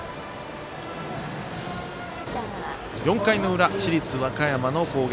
４回の裏、市立和歌山の攻撃。